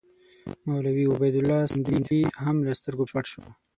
مولوي عبیدالله سندي هم له سترګو پټ شو.